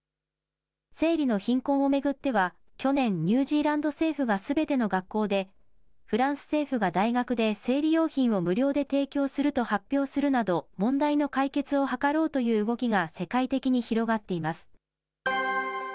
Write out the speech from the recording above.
生理の貧困を巡っては、去年、ニュージーランド政府がすべての学校で、フランス政府が大学で生理用品を無料で提供すると発表するなど、問題の解決を図ろうという動きが世界的に広がっています。